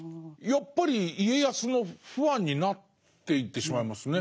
やっぱり家康のファンになっていってしまいますね。